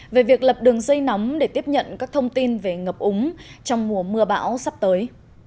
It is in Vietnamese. về việc lập đường dây nóng để tiếp nhận các thông tin về ngập úng trong mùa mưa bão sắp tới